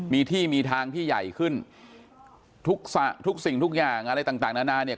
มีที่มีทางที่ใหญ่ขึ้นทุกสระทุกสิ่งทุกอย่างอะไรต่างนานาเนี่ย